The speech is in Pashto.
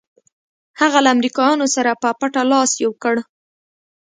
هغه له امریکایانو سره په پټه لاس یو کړ.